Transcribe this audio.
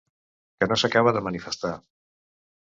Que no s'acaba de manifestar.